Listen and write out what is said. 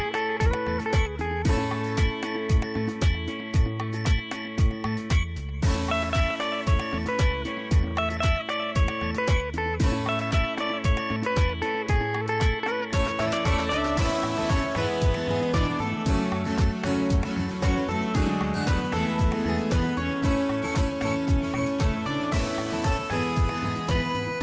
โปรดติดตามตอนต่อไป